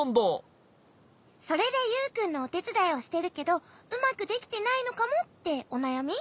それでユウくんのおてつだいをしてるけどうまくできてないのかもっておなやみ？